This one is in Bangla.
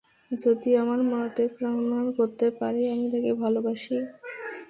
যদি আমার মরাতে প্রমাণ করতে পারি আমি তাকে ভালবাসি।